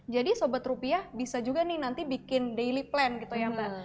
jadi sobat rupiah bisa juga nih nanti bikin daily plan gitu ya mbak